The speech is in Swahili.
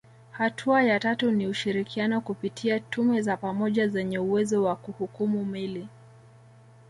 Hatua ya tatu ni ushirikiano kupitia tume za pamoja zenye uwezo wa kuhukumu meli